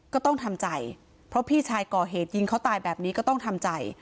ก็ต้องทำใจเพราะพี่ชายก่อเหตุยิงเขาตายแบบนี้ก็ต้องทำใจ